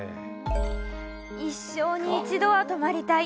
一生に一度は泊まりたい。